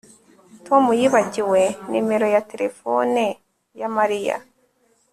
Tom yibagiwe nimero ya terefone ya Mariya